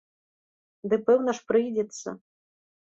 Ды пэўна ж, прыйдзецца.